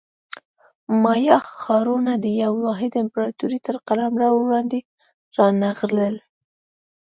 مایا ښارونه د یوې واحدې امپراتورۍ تر قلمرو لاندې رانغلل